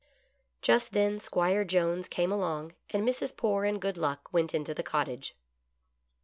Just then 'Squire Jones came along and Mrs. Poore and Good Luck went into the cottage.